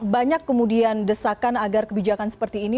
banyak kemudian desakan agar kebijakan seperti ini